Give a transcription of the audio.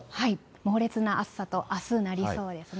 猛烈な暑さと、あす、なりそうですね。